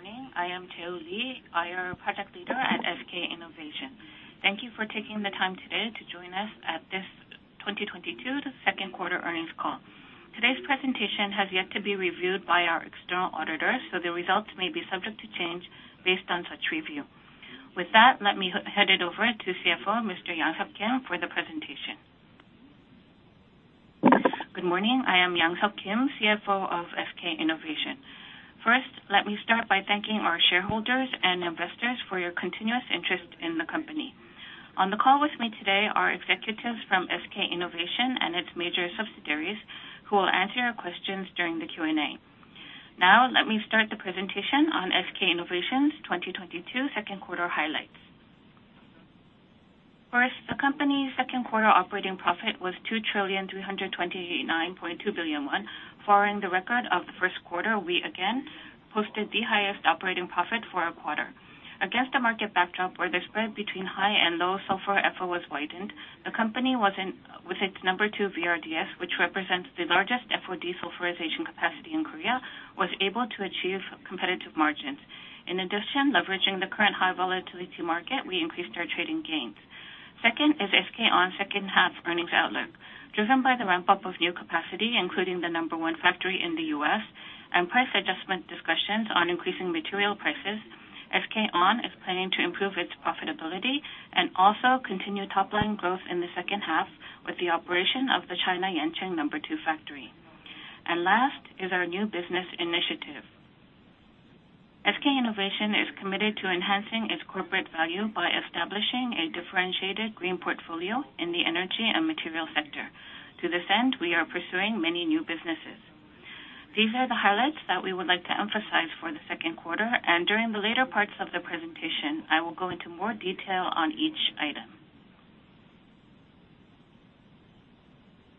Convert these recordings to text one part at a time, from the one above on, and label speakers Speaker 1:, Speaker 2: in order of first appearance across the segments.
Speaker 1: Good morning. I am Joe Lee, IR Project Leader at SK Innovation. Thank you for taking the time today to join us at this 2022 second quarter Earnings Call. Today's presentation has yet to be reviewed by our external auditors, so the results may be subject to change based on such review. With that, let me hand it over to CFO, Mr. Yang-seob Kim for the presentation.
Speaker 2: Good morning. I am Yang-seob Kim, CFO of SK Innovation. First, let me start by thanking our shareholders and investors for your continuous interest in the company. On the call with me today are executives from SK Innovation and its major subsidiaries, who will answer your questions during the Q&A. Now let me start the presentation on SK Innovation's 2022 second quarter highlights. First, the company's second quarter operating profit was 2,329.2 billion won. Following the record of the first quarter, we again posted the highest operating profit for a quarter. Against the market backdrop where the spread between high and low sulfur FO was widened, the company with its No. 2 VRDS, which represents the largest FO desulfurization capacity in Korea, was able to achieve competitive margins. In addition, leveraging the current high volatility market, we increased our trading gains. Second is SK On second half earnings outlook. Driven by the ramp-up of new capacity, including the No. 1 factory in the U.S. and price adjustment discussions on increasing material prices, SK On is planning to improve its profitability and also continue top-line growth in the second half with the operation of the China Yancheng No. 2 factory. Last is our new business initiative. SK Innovation is committed to enhancing its corporate value by establishing a differentiated green portfolio in the energy and material sector. To this end, we are pursuing many new businesses. These are the highlights that we would like to emphasize for the second quarter, and during the later parts of the presentation, I will go into more detail on each item.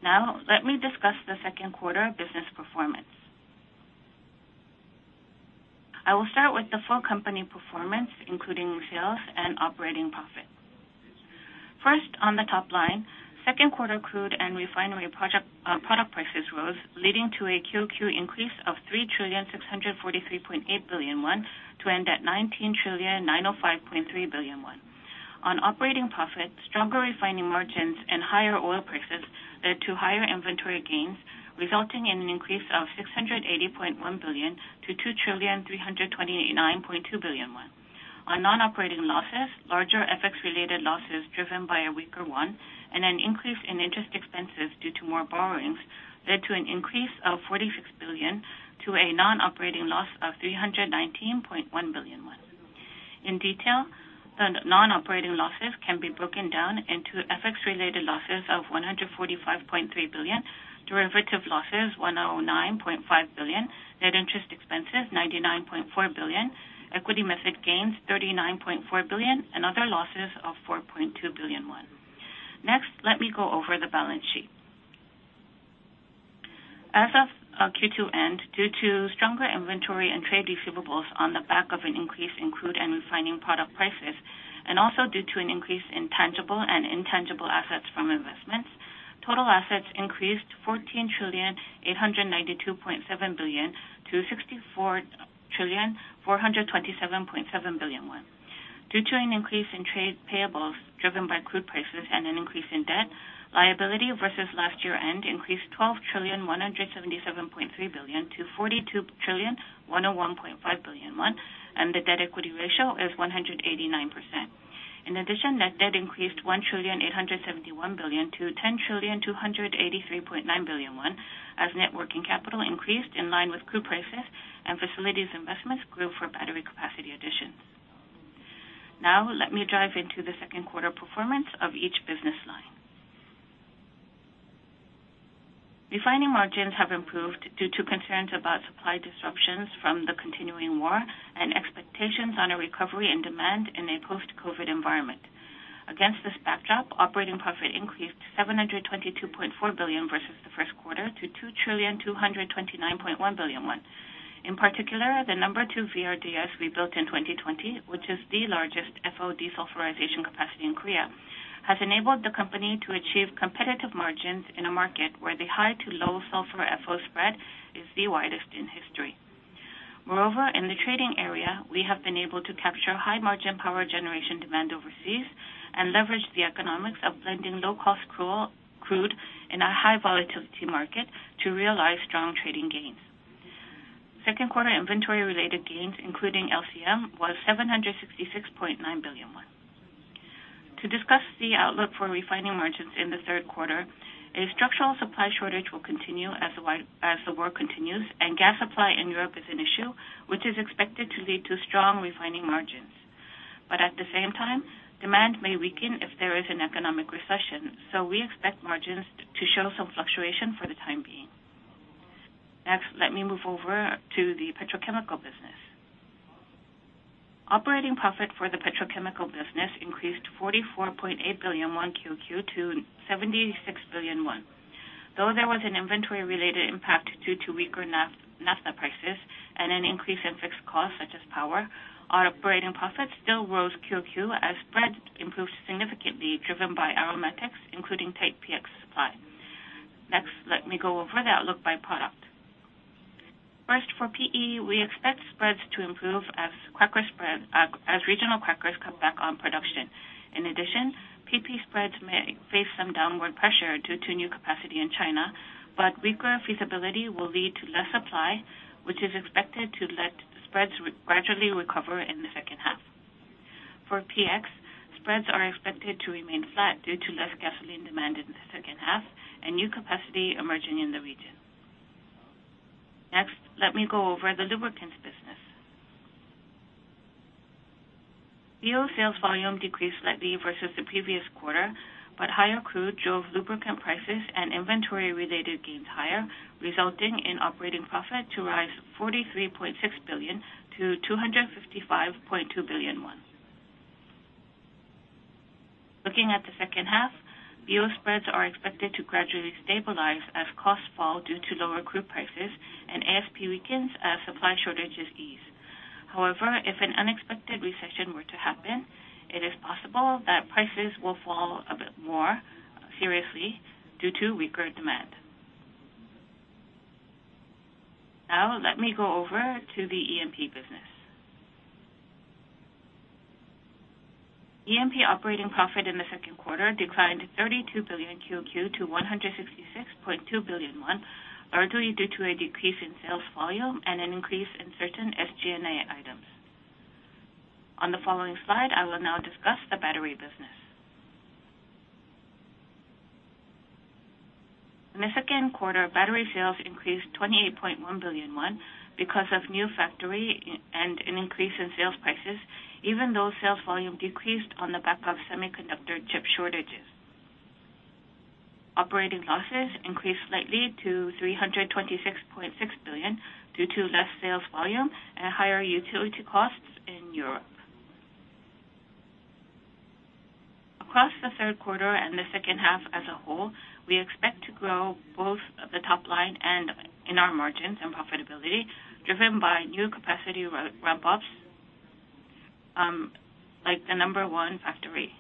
Speaker 2: Now let me discuss the second quarter business performance. I will start with the full company performance, including sales and operating profit. First, on the top line, second quarter crude and refinery product prices rose, leading to a QoQ increase of 3,643.8 billion won to end at 19,905.3 billion won. On operating profit, stronger refining margins and higher oil prices led to higher inventory gains, resulting in an increase of 680.1 billion to 2,329.2 billion won. On non-operating losses, larger FX related losses driven by a weaker won and an increase in interest expenses due to more borrowings led to an increase of 46 billion to a non-operating loss of 319.1 billion won. In detail, the non-operating losses can be broken down into FX related losses of KRW 145.3 billion, derivative losses KRW 109.5 billion, net interest expenses KRW 99.4 billion, equity method gains KRW 39.4 billion, and other losses of KRW 4.2 billion. Next, let me go over the balance sheet. As of Q2 end, due to stronger inventory and trade receivables on the back of an increase in crude and refining product prices, and also due to an increase in tangible and intangible assets from investments, total assets increased 14,892.7 billion to 64,427.7 billion. Due to an increase in trade payables driven by crude prices and an increase in debt, liability versus last year-end increased 12,177.3 billion to 42,101.5 billion, and the debt equity ratio is 189%. In addition, net debt increased 1,871 billion to 10,283.9 billion as net working capital increased in line with crude prices and facilities investments grew for battery capacity additions. Now let me dive into the second quarter performance of each business line. Refining margins have improved due to concerns about supply disruptions from the continuing war and expectations on a recovery and demand in a post-COVID environment. Against this backdrop, operating profit increased 722.4 billion versus the first quarter to 2,229.1 billion. In particular, the number two VRDS we built in 2020, which is the largest FO desulfurization capacity in Korea, has enabled the company to achieve competitive margins in a market where the high-to-low sulfur FO spread is the widest in history. Moreover, in the trading area, we have been able to capture high-margin power generation demand overseas and leverage the economics of blending low-cost crude in a high-volatility market to realize strong trading gains. Second quarter inventory related gains, including LCM, was 766.9 billion won. To discuss the outlook for refining margins in the third quarter, a structural supply shortage will continue as the war continues, and gas supply in Europe is an issue which is expected to lead to strong refining margins. At the same time, demand may weaken if there is an economic recession. We expect margins to show some fluctuation for the time being. Next, let me move over to the petrochemical business. Operating profit for the petrochemical business increased 44.8 billion won QoQ to 76 billion won. Though there was an inventory-related impact due to weaker naphtha prices and an increase in fixed costs such as power, our operating profit still rose QoQ as spread improved significantly, driven by aromatics, including tight PX supply. Let me go over the outlook by product. First, for PE, we expect spreads to improve as regional crackers come back on production. In addition, PP spreads may face some downward pressure due to new capacity in China, but weaker feasibility will lead to less supply, which is expected to let spreads gradually recover in the second half. For PX, spreads are expected to remain flat due to less gasoline demand in the second half and new capacity emerging in the region. Next, let me go over the lubricants business. EO sales volume decreased slightly versus the previous quarter, but higher crude drove lubricant prices and inventory-related gains higher, resulting in operating profit to rise 43.6 billion to 255.2 billion won. Looking at the second half, EO spreads are expected to gradually stabilize as costs fall due to lower crude prices and ASP weakens as supply shortages ease. However, if an unexpected recession were to happen, it is possible that prices will fall a bit more seriously due to weaker demand. Now let me go over to the E&P business. EMP operating profit in the second quarter declined 32 billion QoQ to 166.2 billion won, largely due to a decrease in sales volume and an increase in certain SG&A items. On the following slide, I will now discuss the battery business. In the second quarter, battery sales increased 28.1 billion won because of new factory and an increase in sales prices, even though sales volume decreased on the back of semiconductor chip shortages. Operating losses increased slightly to 326.6 billion due to less sales volume and higher utility costs in Europe. Across the third quarter and the second half as a whole, we expect to grow both the top line and in our margins and profitability, driven by new capacity ramp-ups, like the number one factory.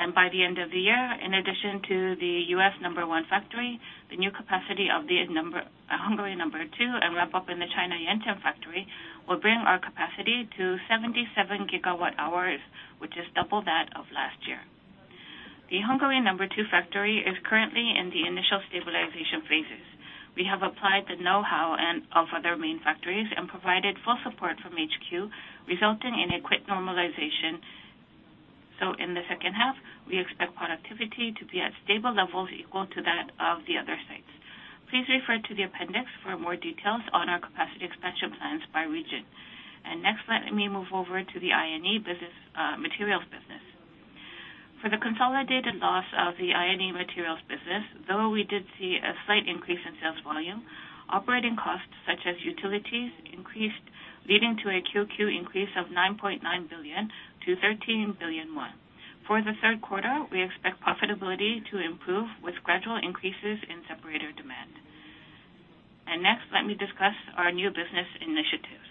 Speaker 2: By the end of the year, in addition to the U.S. number one factory, the new capacity of the Hungary number two and ramp up in the China Yancheng factory will bring our capacity to 77 GWh, which is double that of last year. The Hungary number two factory is currently in the initial stabilization phases. We have applied the know-how and of other main factories and provided full support from HQ, resulting in a quick normalization. In the second half, we expect productivity to be at stable levels equal to that of the other sites. Please refer to the appendix for more details on our capacity expansion plans by region. Next, let me move over to the E&M business, materials business. For the consolidated loss of the E&M materials business, though we did see a slight increase in sales volume, operating costs such as utilities increased, leading to a QoQ increase of 9.9 billion to 13 billion won. For the third quarter, we expect profitability to improve with gradual increases in separator demand. Next, let me discuss our new business initiatives.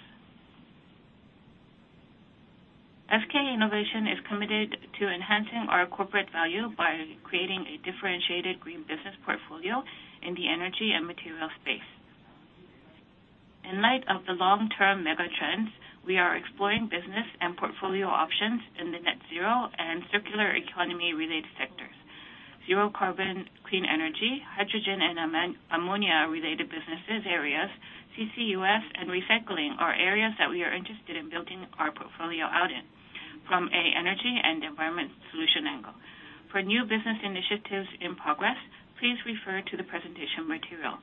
Speaker 2: SK Innovation is committed to enhancing our corporate value by creating a differentiated green business portfolio in the energy and materials space. In light of the long-term mega trends, we are exploring business and portfolio options in the net zero and circular economy-related sectors. Zero carbon, clean energy, hydrogen and ammonia related business areas, CCUS and recycling are areas that we are interested in building our portfolio out in from an energy and environment solution angle. For new business initiatives in progress, please refer to the presentation material.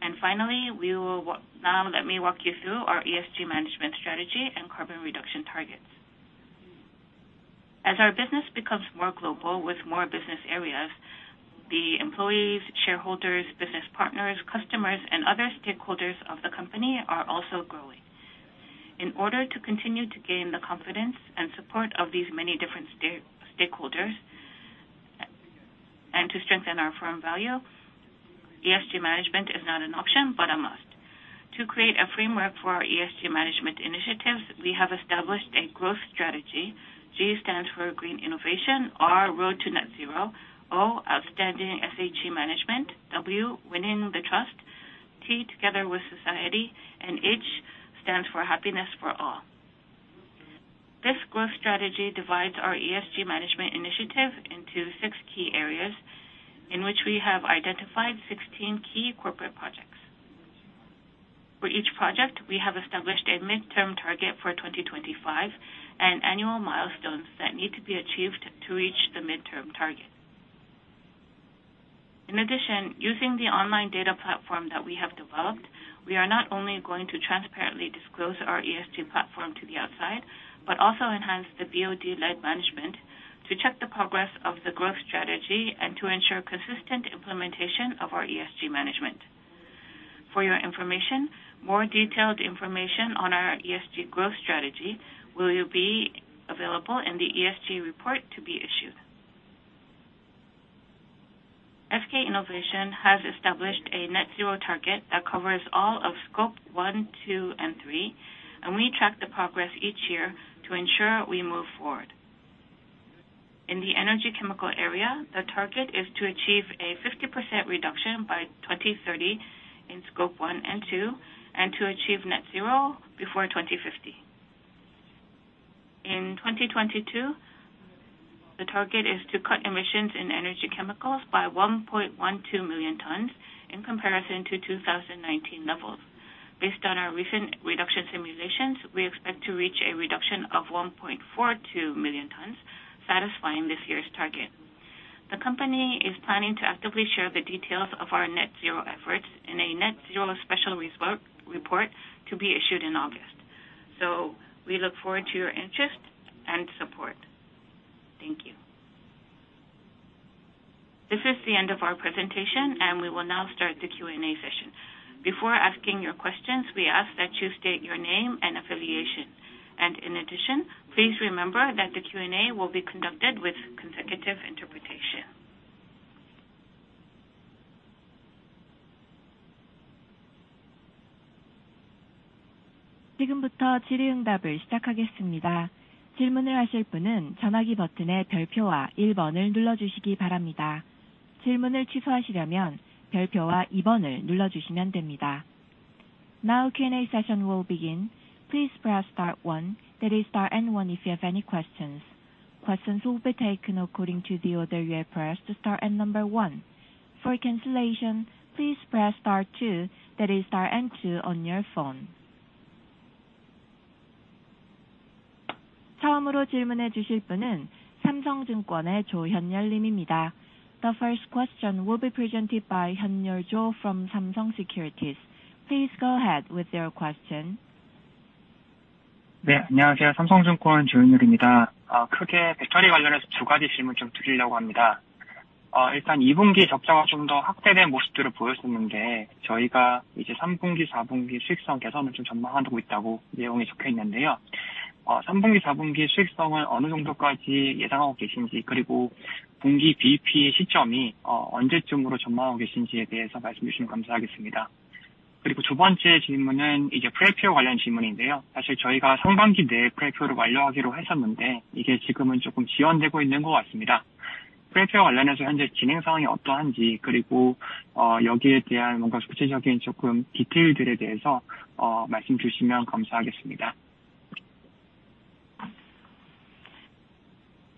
Speaker 2: Now let me walk you through our ESG management strategy and carbon reduction targets. As our business becomes more global with more business areas, the employees, shareholders, business partners, customers and other stakeholders of the company are also growing. In order to continue to gain the confidence and support of these many different stakeholders, and to strengthen our firm value, ESG management is not an option, but a must. To create a framework for our ESG management initiatives, we have established a growth strategy. G stands for green innovation, R road to net zero, O outstanding SHE management, W winning the trust, T together with society, and H stands for happiness for all. This growth strategy divides our ESG management initiative into six key areas in which we have identified 16 key corporate projects. For each project, we have established a midterm target for 2025 and annual milestones that need to be achieved to reach the midterm target. In addition, using the online data platform that we have developed, we are not only going to transparently disclose our ESG platform to the outside, but also enhance the BOD-led management to check the progress of the growth strategy and to ensure consistent implementation of our ESG management. For your information, more detailed information on our ESG growth strategy will be available in the ESG report to be issued. SK Innovation has- Zero target that covers all of Scope 1, 2, and 3, and we track the progress each year to ensure we move forward. In the energy and chemicals area, the target is to achieve a 50% reduction by 2030 in Scope 1 and 2, and to achieve net zero before 2050. In 2022, the target is to cut emissions in energy and chemicals by 1.12 million tons in comparison to 2019 levels. Based on our recent reduction simulations, we expect to reach a reduction of 1.42 million tons, satisfying this year's target. The company is planning to actively share the details of our net zero efforts in a net zero special report to be issued in August. We look forward to your interest and support. Thank you. This is the end of our presentation, and we will now start the Q&A session. Before asking your questions, we ask that you state your name and affiliation. In addition, please remember that the Q&A will be conducted with consecutive interpretation.
Speaker 3: Now Q&A session will begin. Please press star one, that is star and one if you have any questions. Questions will be taken according to the order you have pressed star and number one. For cancellation, please press star two, that is star and two on your phone. The first question will be presented by Jo Hyun-Yul from Samsung Securities. Please go ahead with your question.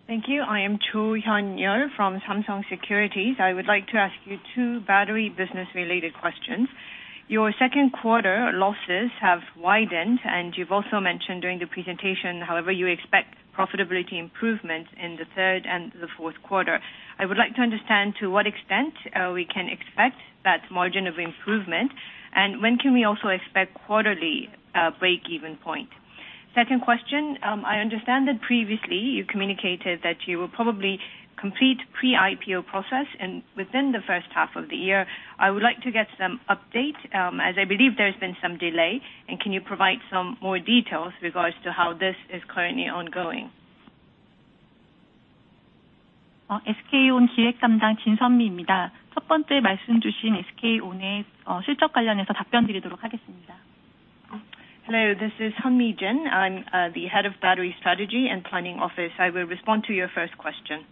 Speaker 4: Thank you. I am Jo Hyun-Yul from Samsung Securities. I would like to ask you two battery business-related questions. Your second quarter losses have widened, and you've also mentioned during the presentation. However, you expect profitability improvement in the third and the fourth quarter. I would like to understand to what extent we can expect that margin of improvement, and when can we also expect quarterly break-even point? Second question, I understand that previously you communicated that you will probably complete pre-IPO process and within the first half of the year. I would like to get some update, as I believe there's been some delay. Can you provide some more details regarding how this is currently ongoing? Hello, this is Jin Hyun-mi. I'm the Head of Battery Strategy and Planning Office. I will respond to your first question.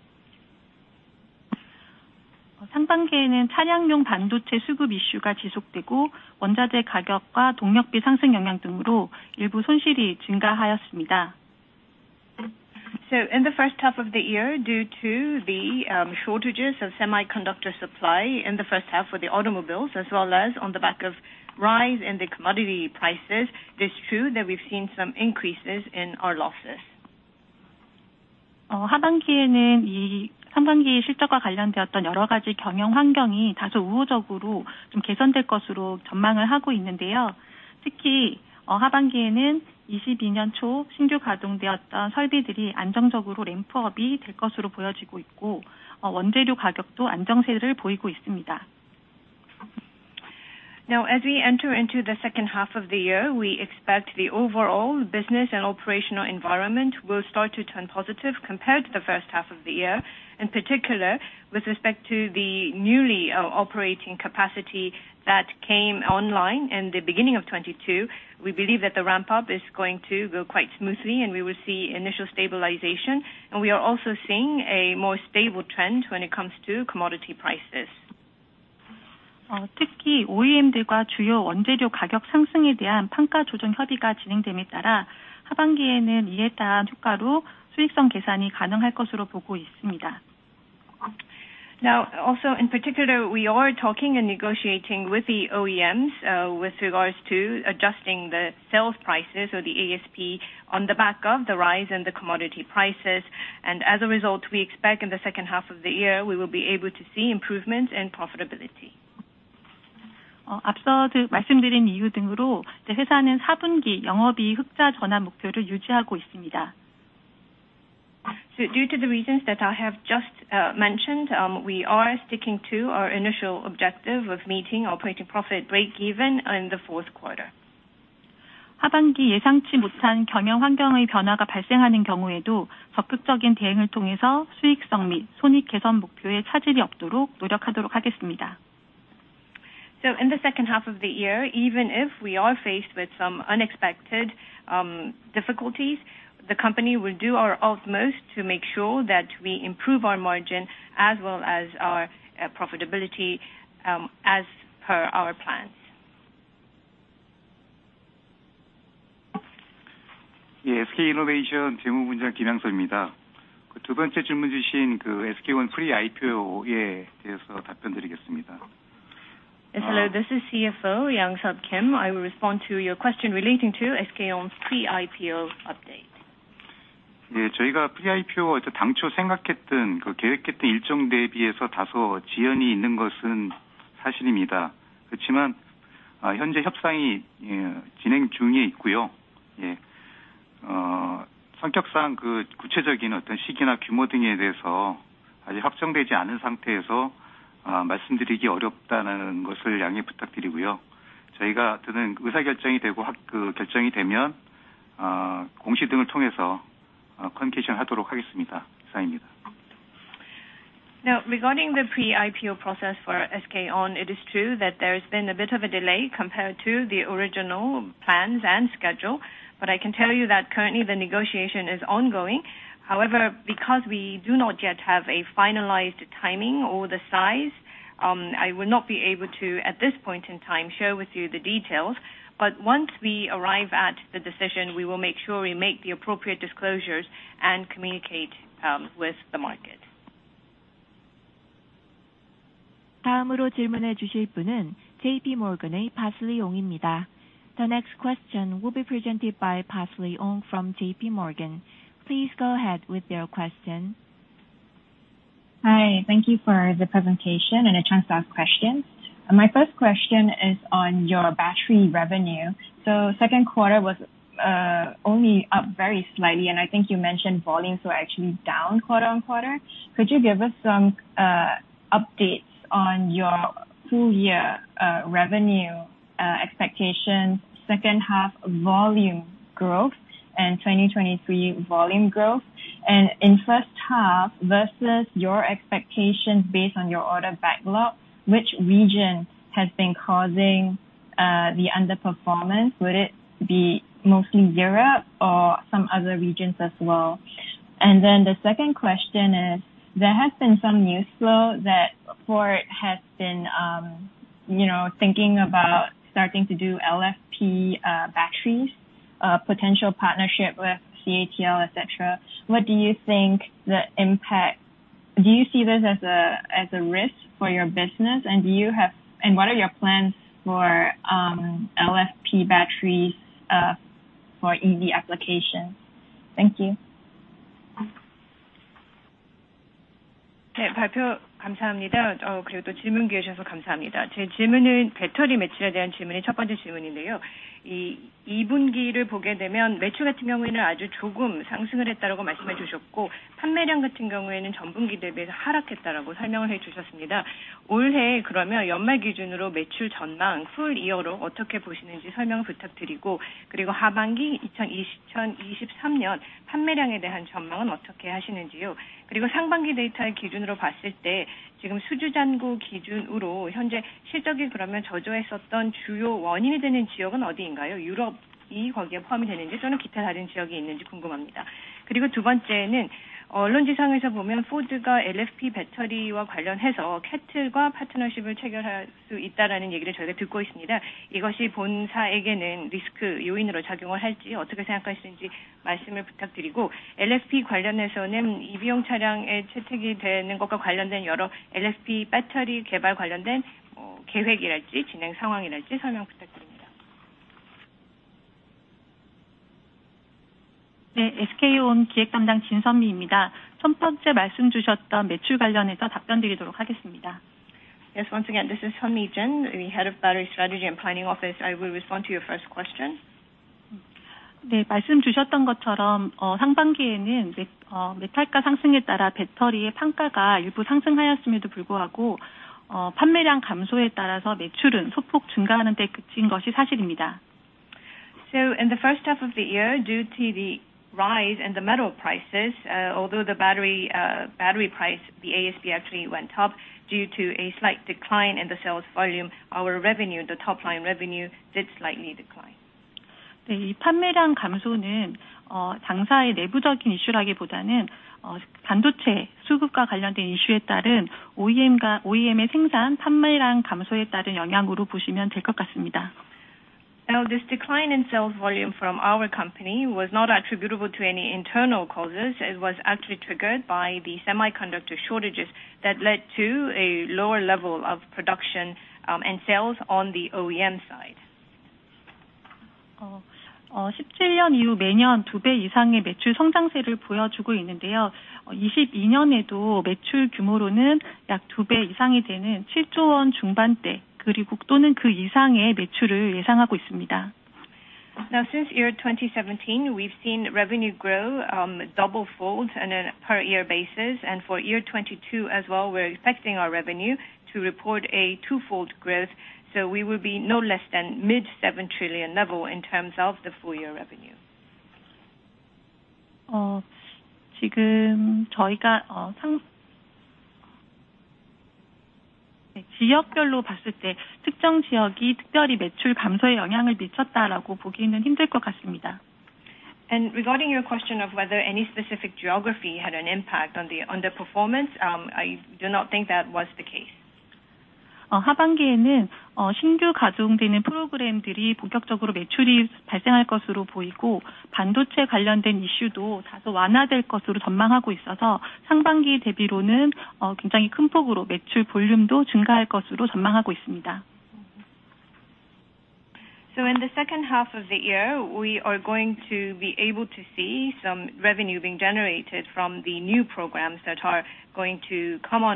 Speaker 5: In the first half of the year, due to the shortages of semiconductor supply in the first half for the automobiles as well as on the back of rise in the commodity prices, it's true that we've seen some increases in our losses. Now, as we enter into the second half of the year, we expect the overall business and operational environment will start to turn positive compared to the first half of the year. In particular, with respect to the newly operating capacity that came online in the beginning of 2022, we believe that the ramp-up is going to go quite smoothly, and we will see initial stabilization. We are also seeing a more stable trend when it comes to commodity prices. Now, also in particular, we are talking and negotiating with the OEMs with regards to adjusting the sales prices or the ASP on the back of the rise in the commodity prices. As a result, we expect in the second half of the year we will be able to see improvements in profitability. Due to the reasons that I have just mentioned, we are sticking to our initial objective of meeting operating profit break even in the fourth quarter.
Speaker 6: 하반기 예상치 못한 경영환경의 변화가 발생하는 경우에도 적극적인 대응을 통해서 수익성 및 손익 개선 목표에 차질이 없도록 노력하도록 하겠습니다.
Speaker 5: In the second half of the year, even if we are faced with some unexpected difficulties, the company will do our utmost to make sure that we improve our margin as well as our profitability, as per our plans.
Speaker 2: 예, SK Innovation 재무분야 김양섭입니다. 두 번째 질문 주신 SK On IPO에 대해서 답변드리겠습니다. Hello, this is CFO, Yang-seob Kim. I will respond to your question relating to SK On pre-IPO update. 네, 저희가 pre-IPO 당초 생각했던, 그 계획했던 일정 대비해서 다소 지연이 있는 것은 사실입니다. 그렇지만, 현재 협상이 진행 중에 있고요. 성격상 그 구체적인 어떤 시기나 규모 등에 대해서 아직 확정되지 않은 상태에서 말씀드리기 어렵다는 것을 양해 부탁드리고요. 저희가 하여튼 의사결정이 되고, 그 결정이 되면, 공시 등을 통해서 communication 하도록 하겠습니다. 이상입니다. Now, regarding the pre-IPO process for SK On, it is true that there has been a bit of a delay compared to the original plans and schedule. I can tell you that currently the negotiation is ongoing. However, because we do not yet have a finalized timing or the size, I will not be able to, at this point in time, share with you the details. Once we arrive at the decision, we will make sure we make the appropriate disclosures and communicate with the market.
Speaker 6: 다음으로 질문해 주실 분은 J.P. Morgan의 Parsley Ong입니다. The next question will be presented by Parsley Ong from J.P. Morgan. Please go ahead with your question.
Speaker 7: Hi. Thank you for the presentation and a chance to ask questions. My first question is on your battery revenue. Second quarter was only up very slightly, and I think you mentioned volumes were actually down quarter-on-quarter. Could you give us some updates on your full year revenue expectations, second half volume growth and 2023 volume growth? In first half versus your expectations based on your order backlog, which region has been causing the underperformance? Would it be mostly Europe or some other regions as well? The second question is there has been some news flow that Ford has been thinking about starting to do LFP batteries, potential partnership with CATL, et cetera. What do you think the impact? Do you see this as a risk for your business? What are your plans for LFP batteries for EV applications? Thank you.
Speaker 6: 네, 발표 감사합니다. 그리고 또 질문 기회 주셔서 감사합니다. 제 질문은 배터리 매출에 대한 질문이 첫 번째 질문인데요. 이 2분기를 보게 되면 매출 같은 경우에는 아주 조금 상승을 했다라고 말씀해 주셨고, 판매량 같은 경우에는 전분기 대비해서 하락했다라고 설명을 해주셨습니다. 올해 그러면 연말 기준으로 매출 전망 full year로 어떻게 보시는지 설명 부탁드리고, 그리고 하반기 2023년 판매량에 대한 전망은 어떻게 하시는지요? 그리고 상반기 데이터를 기준으로 봤을 때 지금 수주 잔고 기준으로 현재 실적이 그러면 저조했었던 주요 원인이 되는 지역은 어디인가요? 유럽이 거기에 포함이 되는지 또는 기타 다른 지역이 있는지 궁금합니다. 그리고 두 번째는 언론지상에서 보면 Ford가 LFP Battery와 관련해서 CATL과 partnership을 체결할 수 있다라는 얘기를 저희가 듣고 있습니다. 이것이 본사에게는 리스크 요인으로 작용을 할지 어떻게 생각하시는지 말씀을 부탁드리고 LFP 관련해서는 EV용 차량에 채택이 되는 것과 관련된 여러 LFP Battery 개발 관련된 계획이랄지 진행 상황이랄지 설명 부탁드립니다. 네, SK On 기획담당 진선미입니다. 첫 번째 말씀 주셨던 매출 관련해서 답변드리도록 하겠습니다.
Speaker 8: Yes. Once again, this is Jin Sun-mi, the Head of Battery Strategy and Planning Office. I will respond to your first question.
Speaker 6: 말씀 주셨던 것처럼, 상반기에는 메탈 가 상승에 따라 배터리의 판가가 일부 상승하였음에도 불구하고, 판매량 감소에 따라서 매출은 소폭 증가하는 데 그친 것이 사실입니다.
Speaker 8: In the first half of the year, due to the rise in the metal prices, although the battery price, the ASP actually went up due to a slight decline in the sales volume. Our revenue, the top line revenue, did slightly decline.
Speaker 6: 이 판매량 감소는 당사의 내부적인 이슈라기보다는 반도체 수급과 관련된 이슈에 따른 OEM의 생산 판매량 감소에 따른 영향으로 보시면 될것 같습니다.
Speaker 8: Now this decline in sales volume from our company was not attributable to any internal causes. It was actually triggered by the semiconductor shortages that led to a lower level of production, and sales on the OEM side.
Speaker 6: 2017년 이후 매년 두배 이상의 매출 성장세를 보여주고 있는데요. 2022년에도 매출 규모로는 약두배 이상이 되는 7조 원 중반대, 그리고 또는 그 이상의 매출을 예상하고 있습니다.
Speaker 8: Now, since year 2017, we've seen revenue grow twofold on a per year basis. For year 2022 as well, we're expecting our revenue to report a twofold growth. We will be no less than 7 trillion level in terms of the full year revenue.
Speaker 6: 지역별로 봤을 때 특정 지역이 특별히 매출 감소에 영향을 미쳤다고 보기는 힘들 것 같습니다.
Speaker 8: Regarding your question of whether any specific geography had an impact on the performance. I do not think that was the case.
Speaker 6: 하반기에는 신규 가동되는 프로그램들이 본격적으로 매출이 발생할 것으로 보이고, 반도체 관련된 이슈도 다소 완화될 것으로 전망하고 있어서 상반기 대비로는 굉장히 큰 폭으로 매출 볼륨도 증가할 것으로 전망하고 있습니다.
Speaker 1: In the second half of the year, we are going to be able to see some revenue being generated from the new programs that are going to come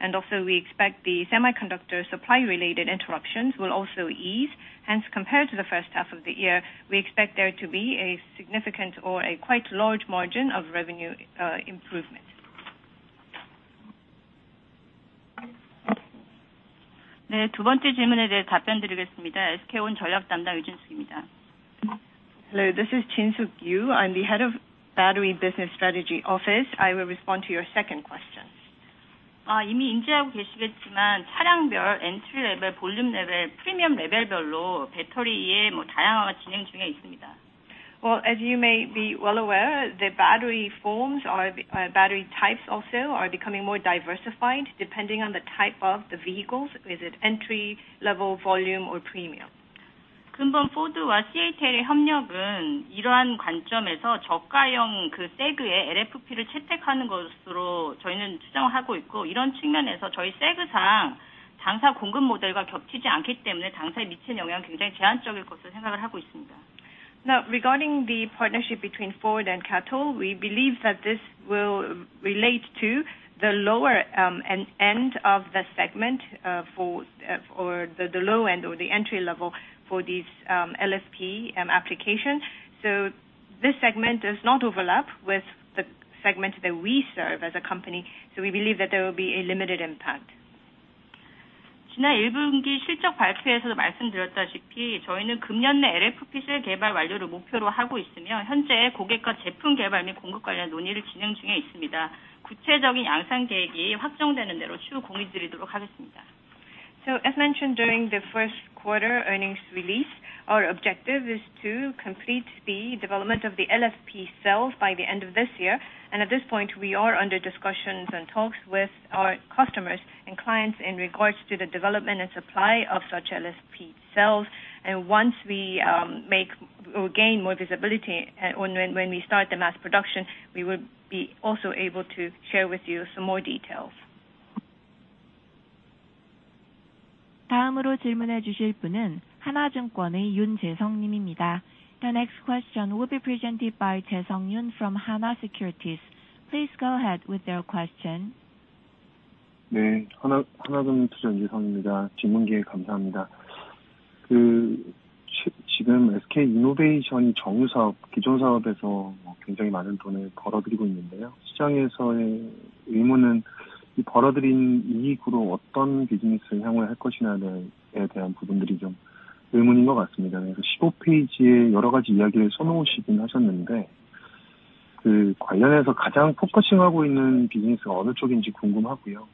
Speaker 1: online. Also we expect the semiconductor supply related interruptions will also ease. Hence, compared to the first half of the year, we expect there to be a significant or a quite large margin of revenue improvement.
Speaker 6: 네, 두 번째 질문에 대해 답변드리겠습니다. SK온 전략 담당 유진숙입니다.
Speaker 9: Hello, this is Yoo Jin-sook. I'm the Head of Battery Business Strategy Office. I will respond to your second question.
Speaker 6: 이미 인지하고 계시겠지만 차량별 Entry Level, Volume Level, Premium Level 별로 배터리의 다양화가 진행 중에 있습니다.
Speaker 1: Well, as you may be well aware, the battery forms or battery types also are becoming more diversified depending on the type of the vehicles. Is it entry-level, volume or premium.
Speaker 6: 금번 Ford와 CATL의 협력은 이러한 관점에서 저가형 그 Seg의 LFP를 채택하는 것으로 저희는 추정하고 있고, 이런 측면에서 저희 Seg상 당사 공급 모델과 겹치지 않기 때문에 당사에 미치는 영향은 굉장히 제한적일 것으로 생각을 하고 있습니다.
Speaker 1: Now regarding the partnership between Ford and CATL, we believe that this will relate to the lower end of the segment or the low end or the entry level for these LFP applications. This segment does not overlap with the segment that we serve as a company. We believe that there will be a limited impact.
Speaker 6: 지난 1분기 실적 발표에서도 말씀드렸다시피 저희는 금년 내 LFP 셀 개발 완료를 목표로 하고 있으며, 현재 고객과 제품 개발 및 공급 관련 논의를 진행 중에 있습니다. 구체적인 양산 계획이 확정되는 대로 추후 공유드리도록 하겠습니다.
Speaker 1: As mentioned during the first quarter earnings release, our objective is to complete the development of the LFP cells by the end of this year. At this point we are under discussions and talks with our customers and clients in regards to the development and supply of such LFP cells. Once we make or gain more visibility on when we start the mass production, we will be also able to share with you some more details.
Speaker 6: 다음으로 질문해 주실 분은 하나증권의 윤재성님입니다.
Speaker 1: The next question will be presented by Yoon Jae-seong from Hana Securities. Please go ahead with your question.
Speaker 10: 네, 하나증권 윤재성입니다. 질문 기회 감사합니다. 지금 SK 이노베이션이 정유 사업, 기존 사업에서 굉장히 많은 돈을 벌어들이고 있는데요. 시장에서의 의문은 이 벌어들인 이익으로 어떤 비즈니스를 향후에 할 것이냐에 대한 부분들이 좀 의문인 것 같습니다. 그래서 15페이지에 여러 가지 이야기를 써놓으시긴 하셨는데, 그 관련해서 가장 포커싱하고 있는 비즈니스가 어느 쪽인지 궁금하고요.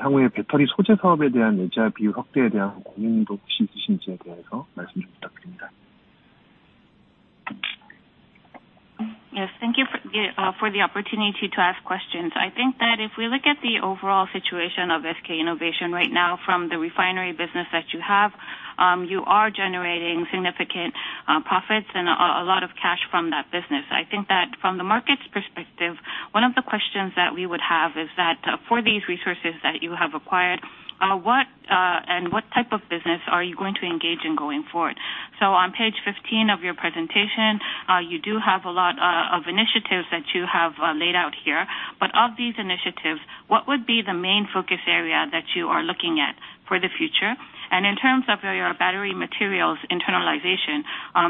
Speaker 10: 향후에 배터리 소재 사업에 대한 AI 비율 확대에 대한 고민도 혹시 있으신지에 대해서 말씀 좀 부탁드립니다.
Speaker 1: Yes. Thank you for the opportunity to ask questions. I think that if we look at the overall situation of SK Innovation right now from the refinery business that you have, you are generating significant profits and a lot of cash from that business. I think that from the market's perspective, one of the questions that we would have is that for these resources that you have acquired, what and what type of business are you going to engage in going forward? On page 15 of your presentation, you do have a lot of initiatives that you have laid out here. But of these initiatives, what would be the main focus area that you are looking at for the future? In terms of your battery materials internalization,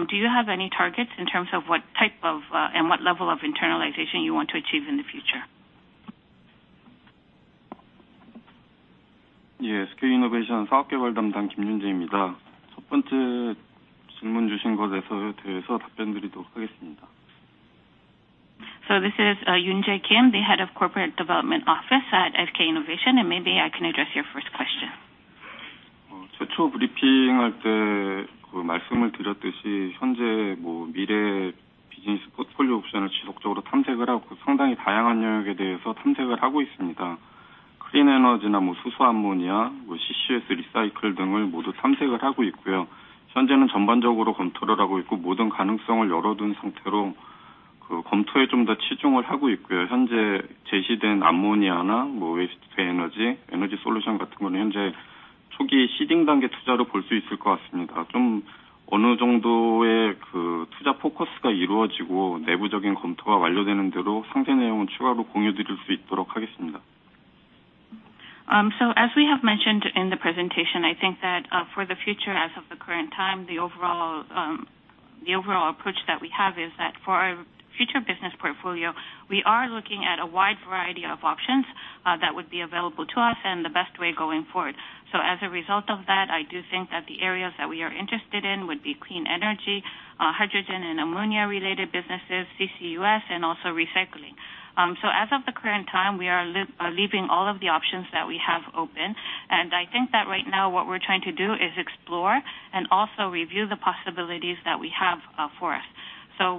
Speaker 1: do you have any targets in terms of what type of, and what level of internalization you want to achieve in the future?
Speaker 10: 예, SK 이노베이션 사업개발담당 김윤재입니다. 첫 번째 질문 주신 것에 대해서 답변드리도록 하겠습니다.
Speaker 11: This is Yoon Jae Kim, the Head of Corporate Development Office at SK Innovation. Maybe I can address your first question.
Speaker 10: 최초 브리핑할 때 말씀을 드렸듯이 현재 미래 비즈니스 포트폴리오 옵션을 지속적으로 탐색을 하고 있고, 상당히 다양한 영역에 대해서 탐색을 하고 있고요. 현재는 전반적으로 검토를 하고 있고 모든 가능성을 열어둔 상태로 그 검토에 좀더 치중을 하고 있고요. 현재 제시된 암모니아나 Waste-to-Energy, Energy Solution 같은 건 현재 초기 시딩 단계 투자로 볼수 있을 것 같습니다. 어느 정도의 투자 포커스가 이루어지고 내부적인 검토가 완료되는 대로 상세 내용은 추가로 공유드릴 수 있도록 하겠습니다.
Speaker 1: As we have mentioned in the presentation, I think that, for the future, as of the current time, the overall approach that we have is that for our future business po
Speaker 2: We are looking at a wide variety of options that would be available to us and the best way going forward. As a result of that, I do think that the areas that we are interested in would be clean energy, hydrogen and ammonia related businesses, CCUS and also recycling. As of the current time, we are leaving all of the options that we have open. I think that right now what we're trying to do is explore and also review the possibilities that we have for us.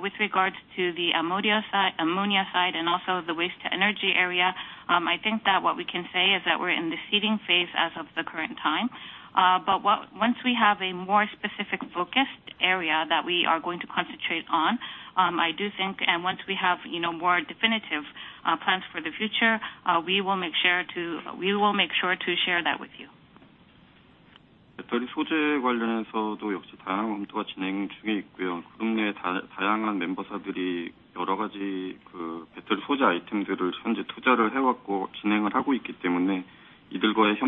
Speaker 2: With regards to the ammonia side and also the Waste-to-Energy area, I think that what we can say is that we're in the seeding phase as of the current time. But what. Once we have a more specific focused area that we are going to concentrate on, I do think and once we have, you know, more definitive plans for the future, we will make sure to share that with you. With regards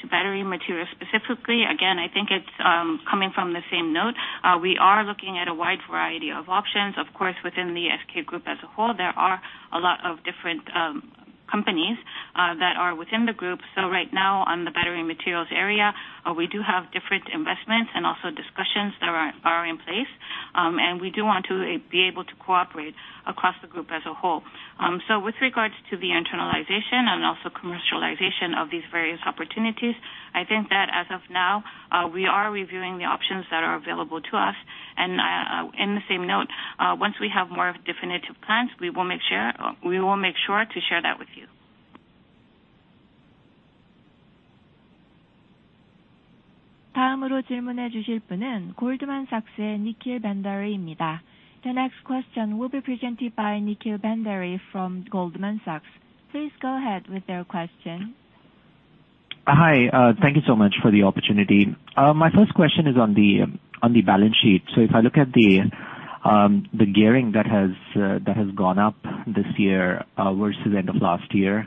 Speaker 2: to battery materials, specifically, again, I think it's on the same note. We are looking at a wide variety of options. Of course, within the SK Group as a whole, there are a lot of different companies that are within the group. Right now on the battery materials area, we do have different investments and also discussions that are in place. We do want to be able to cooperate across the group as a whole. With regards to the internalization and also commercialization of these various opportunities, I think that as of now, we are reviewing the options that are available to us. In the same note, once we have more definitive plans, we will make sure to share that with you.
Speaker 3: The next question will be presented by Nikhil Bhandari from Goldman Sachs. Please go ahead with your question.
Speaker 12: Hi, thank you so much for the opportunity. My first question is on the balance sheet. If I look at the gearing that has gone up this year versus end of last year,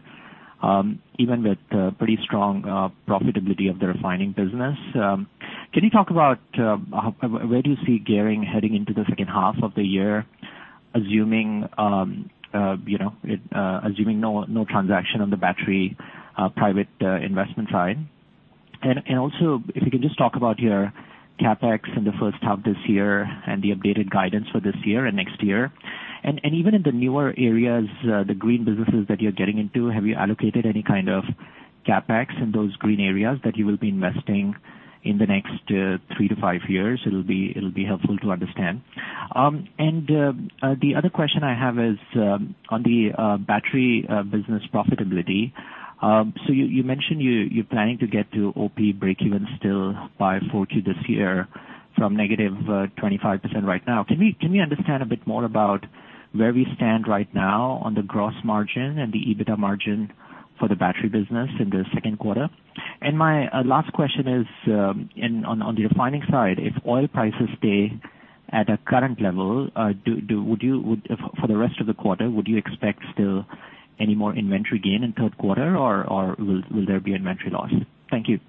Speaker 12: even with pretty strong profitability of the refining business, can you talk about where do you see gearing heading into the second half of the year, assuming you know no transaction on the battery private investment side? Also, if you can just talk about your CapEx in the first half this year and the updated guidance for this year and next year. Even in the newer areas, the green businesses that you're getting into, have you allocated any kind of CapEx in those green areas that you will be investing in the next three to five years? It'll be helpful to understand. The other question I have is on the battery business profitability. So you mentioned you're planning to get to OP breakeven still by 4Q this year from negative 25% right now. Can we understand a bit more about where we stand right now on the gross margin and the EBITDA margin for the battery business in the second quarter? My last question is on the refining side, if oil prices stay at a current level, would you would... For the rest of the quarter, would you expect still any more inventory gain in third quarter, or will there be inventory loss? Thank you.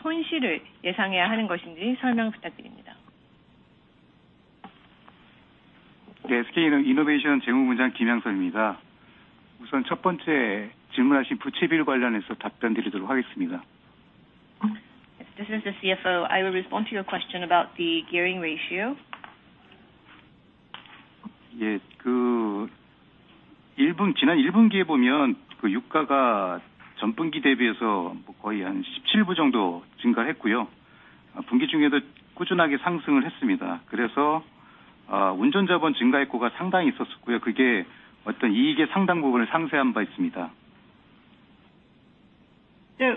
Speaker 2: This is the CFO. I will respond to your question about the gearing ratio.
Speaker 1: Over the first quarter, the crude prices have increased by around $17.3 per barrel. Even during the quarter, there's been a sustained uptrend in crude prices, which led to an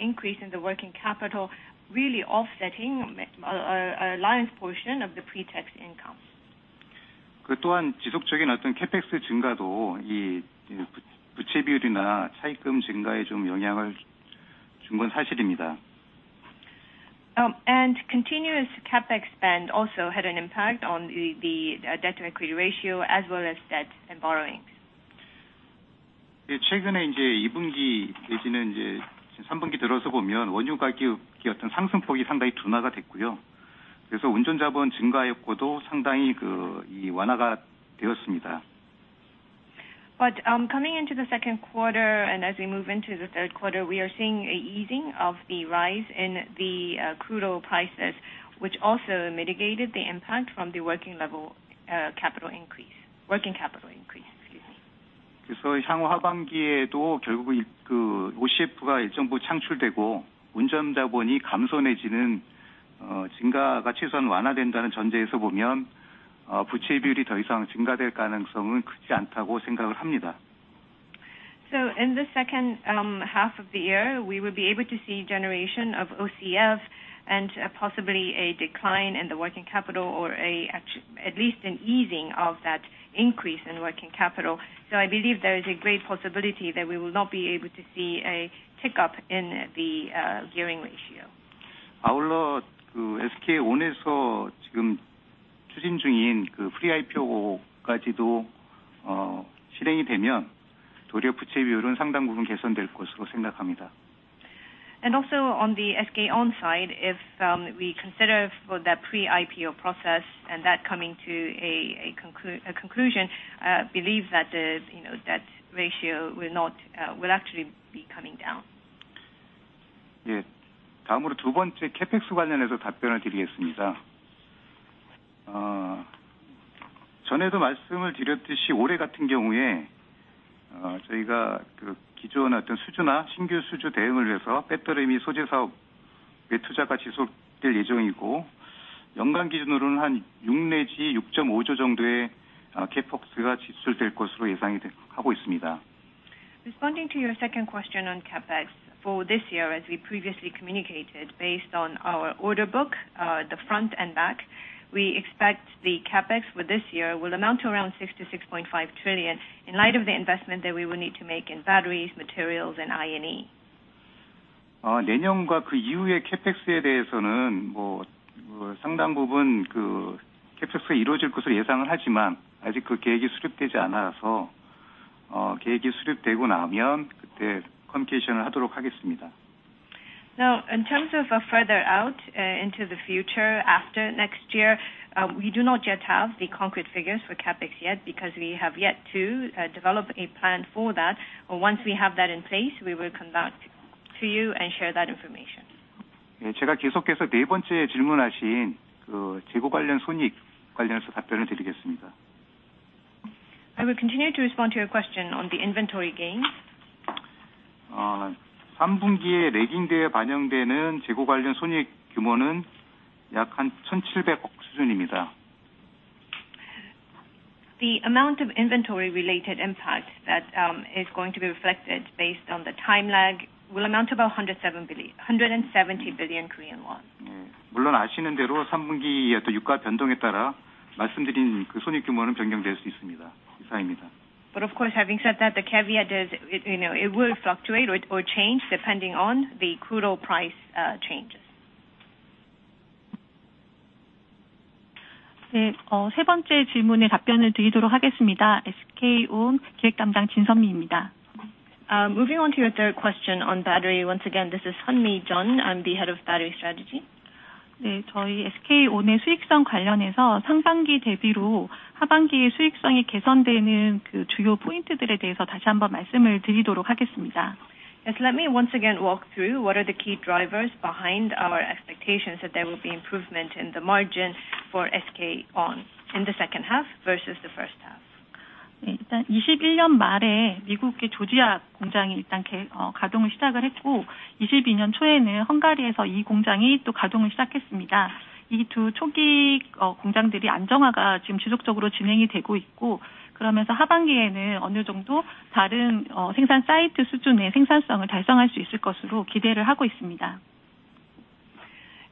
Speaker 1: increase in the working capital, really offsetting a lion's portion of the pre-tax income. Continuous CapEx spend also had an impact on the debt and equity ratio as well as debt and borrowings. Coming into the second quarter and as we move into the third quarter, we are seeing an easing of the rise in the crude oil prices, which also mitigated the impact from the working capital increase. Excuse me. In the second half of the year, we will be able to see generation of OCF and possibly a decline in the working capital or at least an easing of that increase in working capital. I believe there is a great possibility that we will not be able to see a tick up in the gearing ratio. Also on the SK On side, if we consider for that pre-IPO process and that coming to a conclusion, believe that the, you know, debt ratio will not actually be coming down. Responding to your second question on CapEx. For this year, as we previously communicated based on our order book, the front and back, we expect the CapEx for this year will amount to around 6 trillion-6.5 trillion, in light of the investment that we will need to make in batteries, materials, and INE. Now, in terms of further out into the future after next year, we do not yet have the concrete figures for CapEx yet because we have yet to develop a plan for that. Once we have that in place, we will come back to you and share that information. I will continue to respond to your question on the inventory gains. The amount of inventory related impact that is going to be reflected based on the time lag will amount to about 170 billion Korean won. Of course, having said that, the caveat is, you know, it will fluctuate or change depending on the crude oil price changes. Moving on to your third question on battery. Once again, this is Sun-mi Jung. I'm the Head of Battery Strategy. Yes. Let me once again walk through what are the key drivers behind our expectations that there will be improvement in the margin for SK On in the second half versus the first half.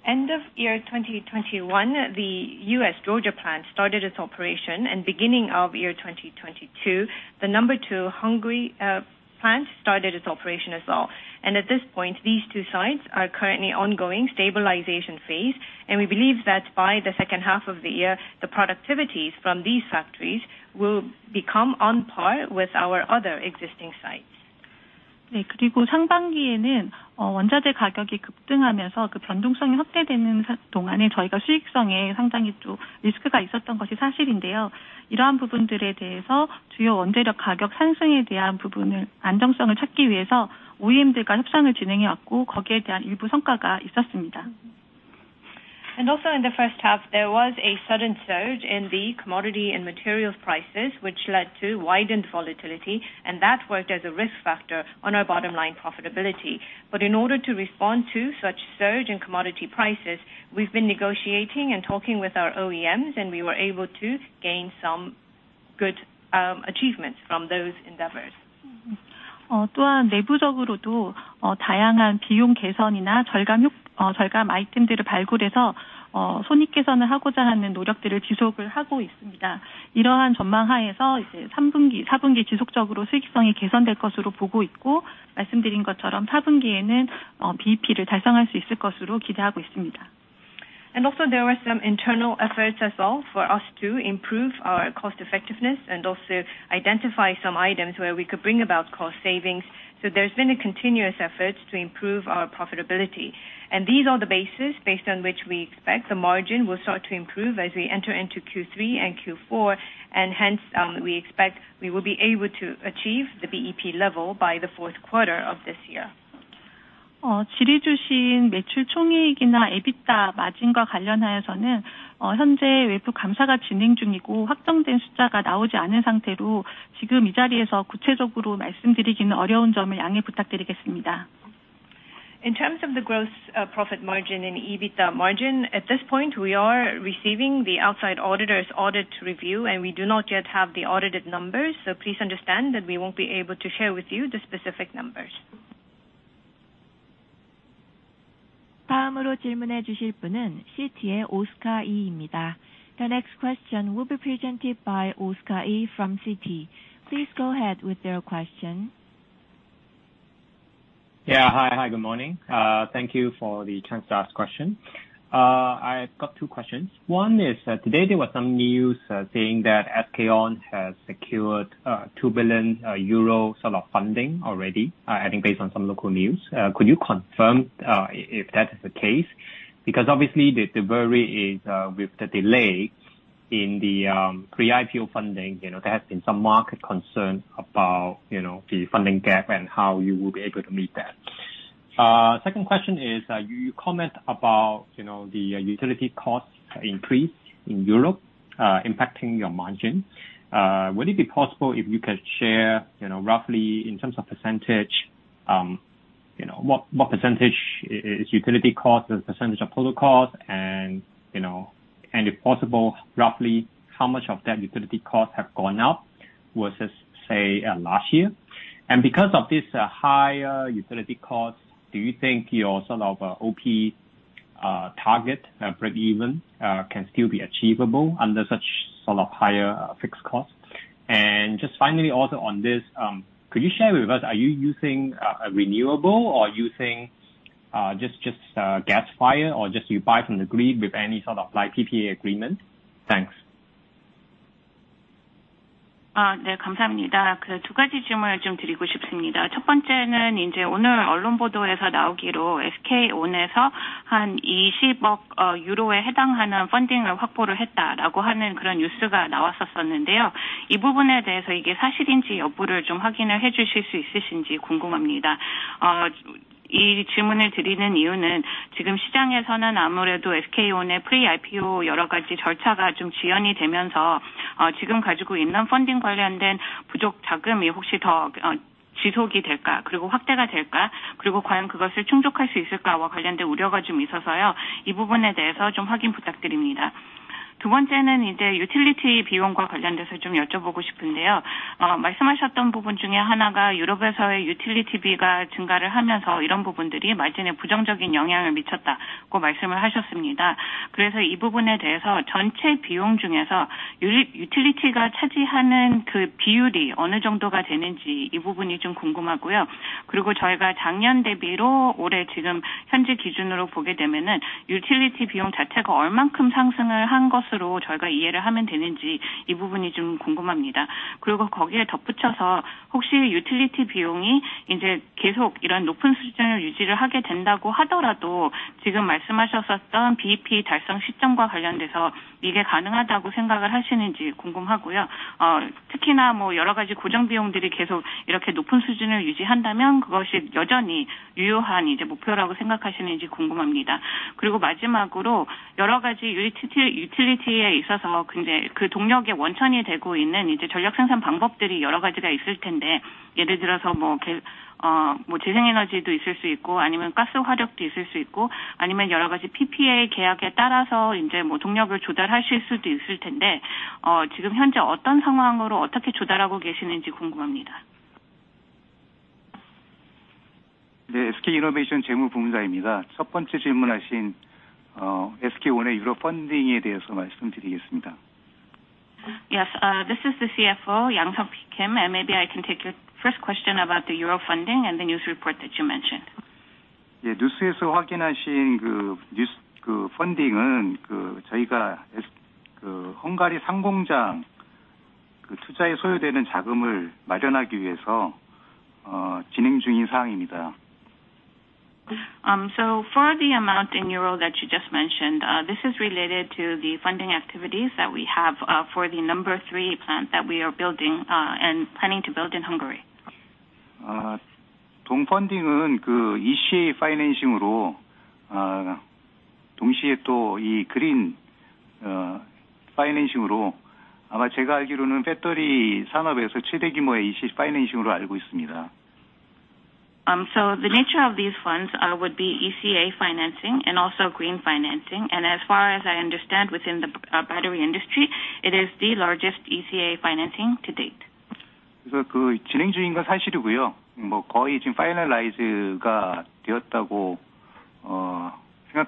Speaker 1: End of year 2021, the U.S. Georgia plant started its operation and beginning of year 2022, the number two Hungary plant started its operation as well. At this point, these two sites are currently undergoing stabilization phase, and we believe that by the second half of the year, the productivities from these factories will become on par with our other existing sites. Also in the first half, there was a sudden surge in the commodity and materials prices, which led to widened volatility, and that worked as a risk factor on our bottom line profitability. In order to respond to such surge in commodity prices, we've been negotiating and talking with our OEMs, and we were able to gain some good achievements from those endeavors. Also there were some internal efforts as well for us to improve our cost effectiveness and also identify some items where we could bring about cost savings. There's been a continuous effort to improve our profitability. These are the bases based on which we expect the margin will start to improve as we enter into Q3 and Q4. Hence, we expect we will be able to achieve the BEP level by the fourth quarter of this year. In terms of the gross profit margin and EBITDA margin, at this point, we are receiving the outside auditors audit review, and we do not yet have the audited numbers. Please understand that we won't be able to share with you the specific numbers.
Speaker 3: Oscar Yee from Citi. Please go ahead with your question.
Speaker 13: Good morning. Thank you for the chance to ask question. I've got two questions. One is, today there was some news saying that SK On has secured 2 billion euro sort of funding already, I think based on some local news. Could you confirm if that is the case? Because obviously the worry is, with the delay in the pre-IPO funding, you know, there has been some market concern about, you know, the funding gap and how you will be able to meet that. Second question is, you comment about, you know, the utility costs increase in Europe, impacting your margin. Would it be possible if you could share, you know, roughly in terms of percentage, you know, what percentage is utility cost as a percentage of total cost? You know, and if possible, roughly how much of that utility costs have gone up versus, say, last year? Because of this, higher utility costs, do you think your sort of OP target breakeven can still be achievable under such sort of higher fixed costs? Just finally, also on this, could you share with us, are you using a renewable or are you using just gas-fired or just you buy from the grid with any sort of like PPA agreement? Thanks.
Speaker 2: Yes. This is the CFO, Yang-seob Kim, and maybe I can take your first question about the euro funding and the news report that you mentioned. For the amount in euro that you just mentioned, this is related to the funding activities that we have for the number three plant that we are building and planning to build in Hungary. The nature of these funds would be ECA financing and also green financing. As far as I understand within the battery industry, it is the largest ECA financing to date. It is true that this process is underway, and I do believe that we can say that we are in the almost final stages of this process. This financing in nature is not related in any way to the pre-IPO process. The reason for that is because, initially when we had, the funding plan for the Hungary number three factory, from the beginning, we were planning to fund some of it in equity and some of it in debt. Therefore this amount related to the ECA financing should be regarded as, a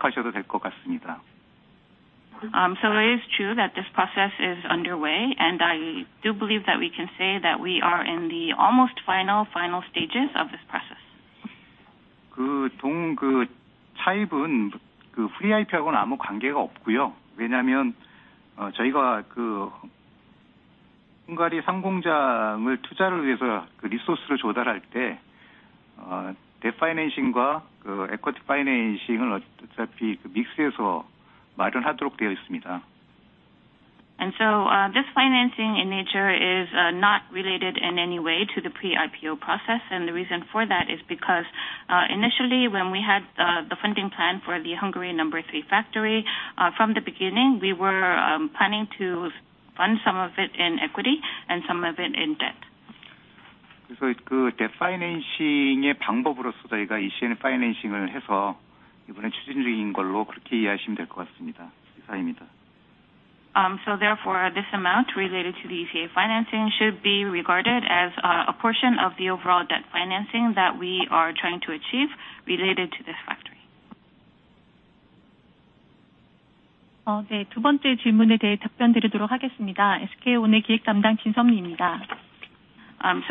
Speaker 2: portion of the overall debt financing that we are trying to achieve related to this factory. This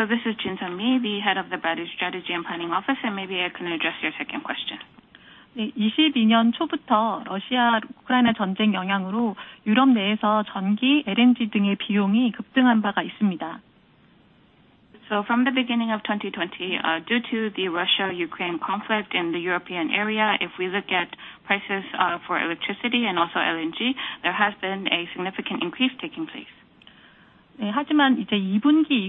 Speaker 2: is Jin Sun-mi, the Head of the Battery Strategy and Planning Office, and maybe I can address your second question. From the beginning of 2020, due to the Russia-Ukraine conflict in the European area, if we look at prices, for electricity and also LNG, there has been a significant increase taking place. However, going into the second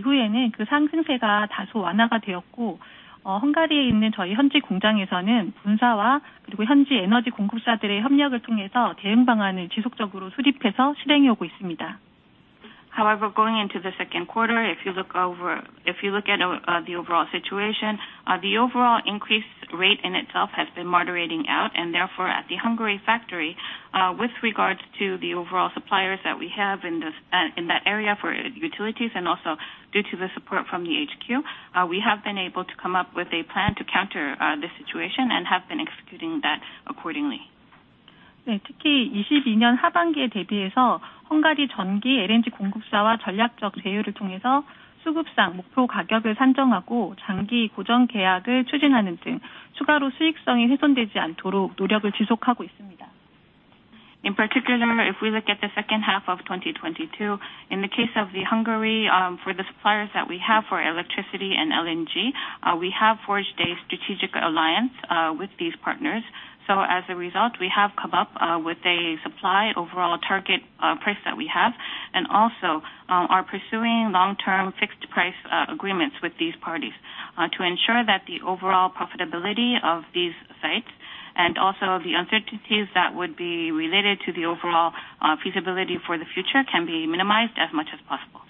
Speaker 2: quarter, if you look at the overall situation, the overall increase rate in itself has been moderating out. Therefore, at the Hungary factory, with regards to the overall suppliers that we have in that area for utilities and also due to the support from the HQ, we have been able to come up with a plan to counter the situation and have been executing that accordingly. In particular, if we look at the second half of 2022, in the case of the Hungary, for the suppliers that we have for electricity and LNG, we have forged a strategic alliance with these partners. As a result, we have come up with a supply overall target price that we have and also are pursuing long-term fixed price agreements with these parties to ensure that the overall profitability of these sites and also the uncertainties that would be related to the overall feasibility for the future can be minimized as much as possible.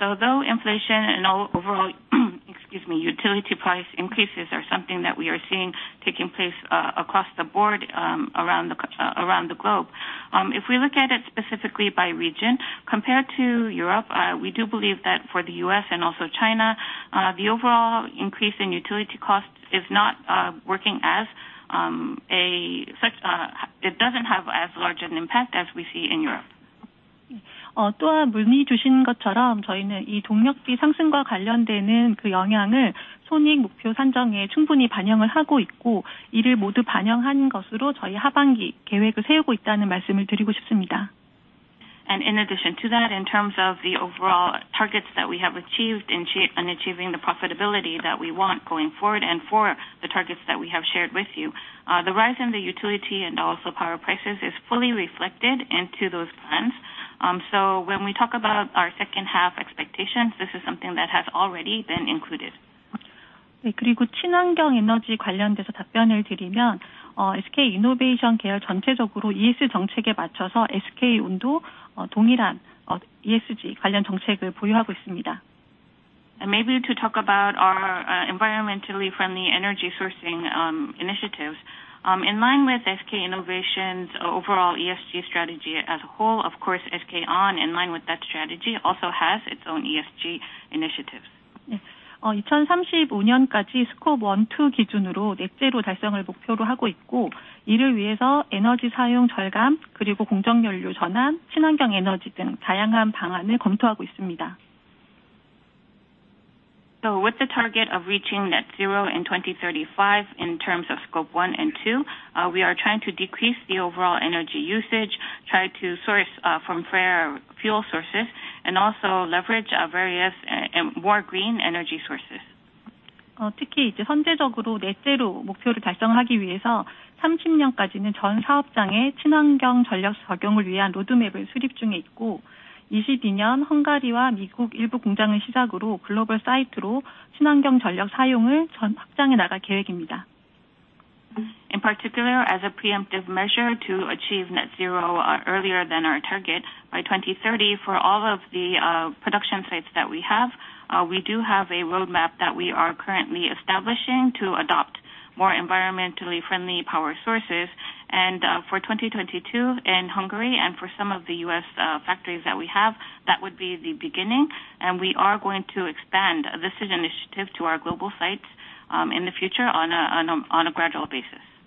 Speaker 2: Though inflation and overall, excuse me, utility price increases are something that we are seeing taking place across the board around the globe. If we look at it specifically by region compared to Europe, we do believe that for the U.S. and also China, the overall increase in utility costs is not working as such. It doesn't have as large an impact as we see in Europe. In addition to that, in terms of the overall targets that we have achieved and achieving the profitability that we want going forward and for the targets that we have shared with you, the rise in the utility and also power prices is fully reflected into those plans. So when we talk about our second half expectations, this is something that has already been included. Maybe to talk about our environmentally friendly energy sourcing initiatives, in line with SK Innovation's overall ESG strategy as a whole, of course, SK On in line with that strategy also has its own ESG initiatives. With the target of reaching net zero in 2035 in terms of Scope 1 and 2, we are trying to decrease the overall energy usage, try to source from renewable fuel sources, and also leverage various more green energy sources. In particular as a preemptive measure to achieve net zero earlier than our target by 2030 for all of the production sites that we have, we do have a roadmap that we are currently establishing to adopt more environmentally friendly power sources. For 2022 in Hungary and for some of the U.S. factories that we have, that would be the beginning, and we are going to expand this initiative to our global sites in the future on a gradual basis.